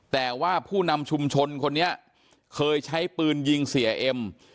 แต่ว่าผู้นำชุมชนคนนี้เคยใช้ปืนยิงเสียเอ็ม